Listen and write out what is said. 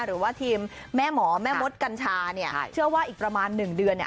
หรือว่าทีมแม่หมอแม่มดกัญชาเนี่ยเชื่อว่าอีกประมาณ๑เดือนเนี่ย